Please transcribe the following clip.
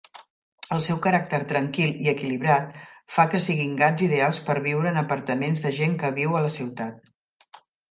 El seu caràcter tranquil i equilibrat fa que siguin gats ideals per viure en apartaments de gent que viu a la ciutat.